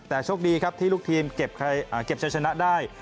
แต่โชคดีครับที่ลูกทีมเก็บใช้ชนะได้